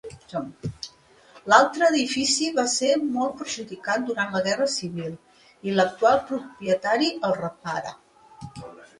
L'altre edifici va ser molt perjudicat durant la Guerra Civil, i l'actual propietari el reparà.